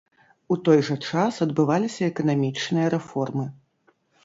У той жа час адбываліся эканамічныя рэформы.